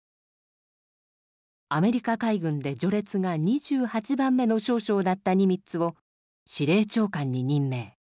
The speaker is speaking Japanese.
アメリカ海軍で序列が２８番目の少将だったニミッツを司令長官に任命。